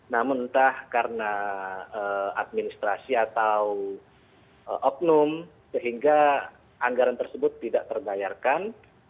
namun entah karena administrasi atau oknum sehingga anggaran tersebut tidak terbayarkan